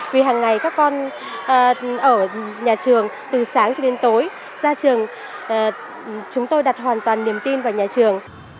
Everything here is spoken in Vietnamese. vì hàng ngày các con ở nhà trường từ sáng cho đến tối ra trường chúng tôi đặt hoàn toàn niềm tin vào nhà trường